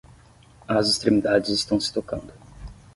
As extremidades estão se tocando.